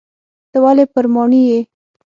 ته ولي پر ماڼي یې ؟